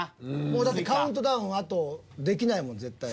もうだってカウントダウンあとできないもん絶対。